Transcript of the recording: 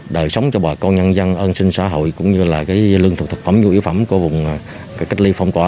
đời sống cho bà con nhân dân ân sinh xã hội cũng như là lương thực thực phẩm nhu yếu phẩm của vùng cách ly phong tỏa